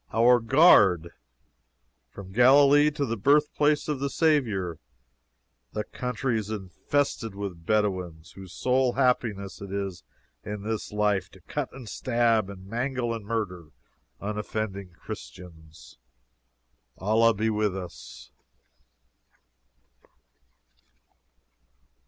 "Our guard! From Galilee to the birthplace of the Savior, the country is infested with fierce Bedouins, whose sole happiness it is, in this life, to cut and stab and mangle and murder unoffending Christians. Allah be with us!"